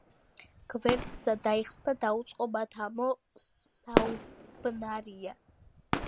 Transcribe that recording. გვერდსა დაისხნა, დაუწყო მათ ამო საუბნარია.